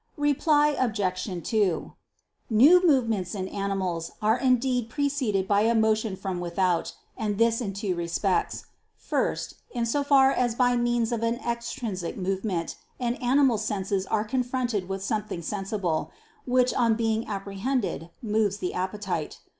Reply Obj. 2: New movements in animals are indeed preceded by a motion from without; and this in two respects. First, in so far as by means of an extrinsic motion an animal's senses are confronted with something sensible, which, on being apprehended, moves the appetite.